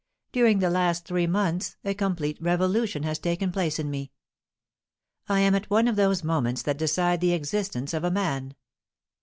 During the last three months a complete revolution has taken place in me. I am at one of those moments that decide the existence of a man.